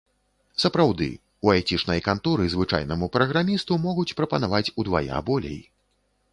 Сапраўды, у айцішнай канторы звычайнаму праграмісту могуць прапанаваць удвая болей.